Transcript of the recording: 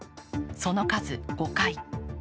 その数５回。